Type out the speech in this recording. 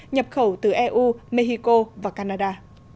nhập khẩu từ eu mexico và canada